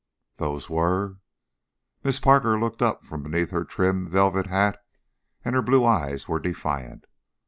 "Those were ?" Miss Parker looked up from beneath her trim velvet hat and her blue eyes were defiant.